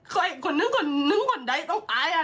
ใครคนหนึ่งคนหนึ่งคนใดต้องตายอ่ะ